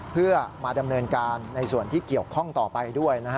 เพื่อมาดำเนินการในส่วนที่เกี่ยวข้องต่อไปด้วยนะฮะ